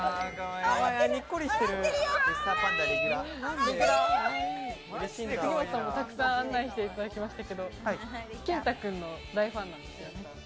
杉本さんも沢山案内していただきましたけどケンタくんの大ファンなんですよ